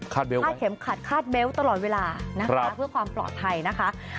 คาดเข็มขัดคาดเบลต์ตลอดเวลานะคะเพื่อความปลอดภัยนะคะ